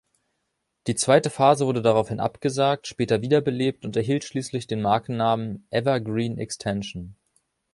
Die zweite Phase wurde daraufhin abgesagt, später wiederbelebt und erhielt schließlich den Markennahmen Evergreen Extension.